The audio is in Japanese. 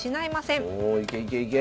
おいけいけいけ！